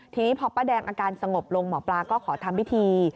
ทีนี้พอป้าแดงอาการสงบลงหมอปลาก็ขอทำพิธี